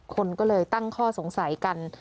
คนก็เลยตั้งข้อสงสัยกัน